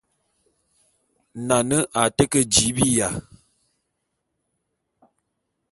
Nane a te ke jii biya.